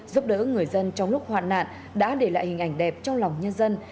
giúp đỡ người dân trong lúc hoạn nạn đã để lại hình ảnh đẹp trong lòng nhân dân